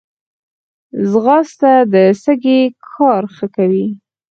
ځغاسته د سږي کار ښه کوي